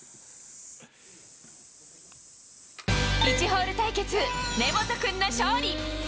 １ホール対決、根本君の勝利。